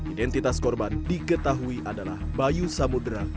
identitas korban diketahui adalah bayu samudera